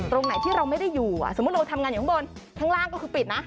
ตรงไหนที่เราไม่ได้อยู่สมมุติเราทำงานอยู่ข้างบนข้างล่างก็คือปิดนะ